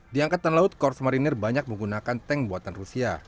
di angkatan laut korps marinir banyak menggunakan tank buatan rusia